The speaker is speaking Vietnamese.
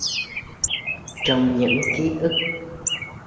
Trong những kí ức